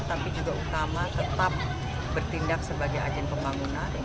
tapi juga utama tetap bertindak sebagai agen pembangunan